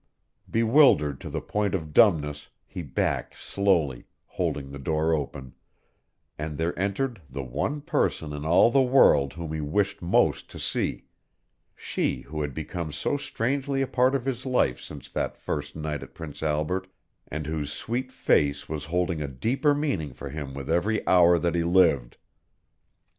Bewildered to the point of dumbness, he backed slowly, holding the door open, and there entered the one person in all the world whom he wished most to see she who had become so strangely a part of his life since that first night at Prince Albert, and whose sweet face was holding a deeper meaning for him with every hour that he lived.